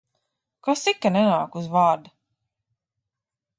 Kas ir, ka nenāk uz vārda?